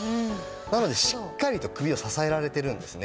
なのでしっかりと首を支えられてるんですね。